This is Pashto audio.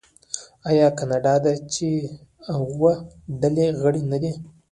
آیا کاناډا د جي اوه ډلې غړی نه دی؟